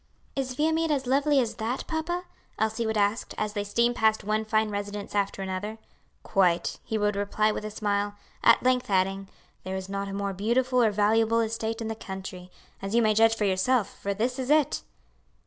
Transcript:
"Is Viamede as lovely as that, papa?" Elsie would ask, as they steamed past one fine residence after another. "Quite," he would reply with a smile, at length adding, "There is not a more beautiful or valuable estate in the country; as you may judge for yourself, for this is it."